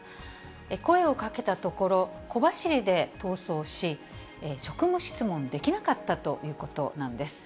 声をかけたところ、小走りで逃走し、職務質問できなかったということなんです。